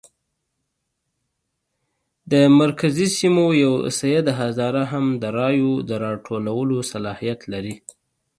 د مرکزي سیمو یو سید هزاره هم د رایو د راټولولو صلاحیت لري.